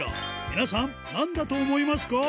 皆さん、なんだと思いますか？